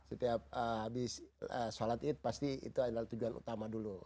setiap habis sholat id pasti itu adalah tujuan utama dulu